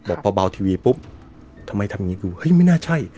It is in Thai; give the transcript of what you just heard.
บอกพ่อเบาทีวีปุ๊บทำไมทำอย่างงี้ดูเฮ้ยไม่น่าใช่